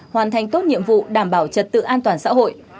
hoàn thành tốt nhiệm vụ đảm bảo trật tự an toàn xã hội